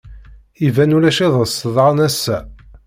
Iban ulac iḍes daɣen ass-a.